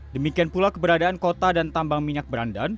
demikian pula keberadaan kota dan tambang minyak berandan